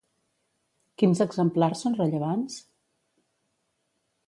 Quins exemplars són rellevants?